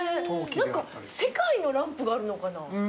世界のランプがあるのかな？